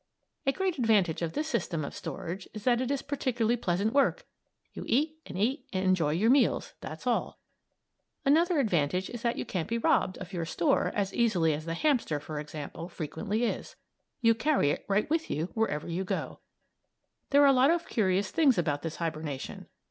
A great advantage of this system of storage is that it is particularly pleasant work you eat and eat and enjoy your meals, that's all. Another advantage is that you can't be robbed of your store as easily as the hamster, for example, frequently is. You carry it right with you wherever you go. There are a lot of curious things about this hibernation.